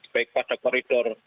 baik pada koridor